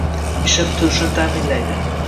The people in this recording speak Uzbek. ishlab turishini ta’minlaydi;